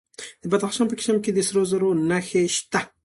د بدخشان په کشم کې د سرو زرو نښې شته.